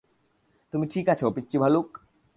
তুমি ঠিক আছো, পিচ্চি ভালুক?